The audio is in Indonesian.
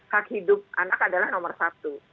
hak hidup anak adalah nomor satu